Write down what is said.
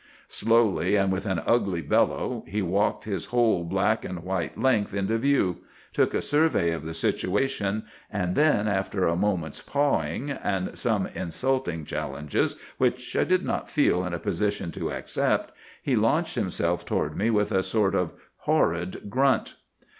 "Slowly, and with an ugly bellow, he walked his whole black and white length into view, took a survey of the situation, and then, after a moment's pawing, and some insulting challenges which I did not feel in a position to accept, he launched himself toward me with a sort of horrid grunt.